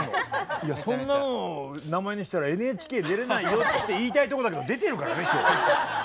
いや「そんなの名前にしたらＮＨＫ出れないよ」って言いたいとこだけど出てるからね今日。